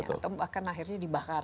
atau bahkan akhirnya dibakar